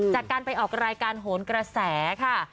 จากการไปออกรายการโหนกระแสค่ะ